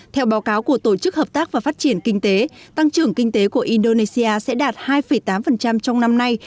theo báo cáo của tổ chức hợp tác và phát triển kinh tế tăng trưởng kinh tế của indonesia sẽ đạt hai tám trong năm nay